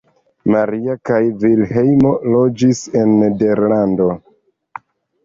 Maria kaj Vilhelmo loĝis en Nederlando.